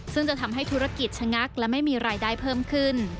ซึ่งจะทำให้ธุรกิจชะงักและไม่มีรายได้เพิ่มขึ้น